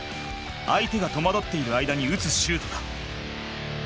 相手が戸惑っている間に打つシュートだ。